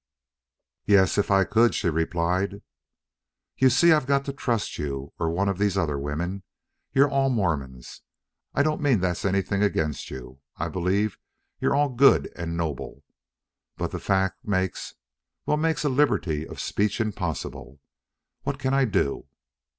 "Yes, if I could," she replied. "You see I've got to trust you, or one of these other women. You're all Mormons. I don't mean that's anything against you. I believe you're all good and noble. But the fact makes well, makes a liberty of speech impossible. What can I do?"